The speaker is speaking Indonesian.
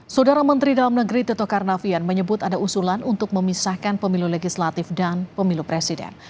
saudara menteri dalam negeri tito karnavian menyebut ada usulan untuk memisahkan pemilu legislatif dan pemilu presiden